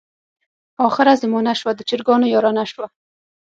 اخره زمانه شوه، د چرګانو یارانه شوه.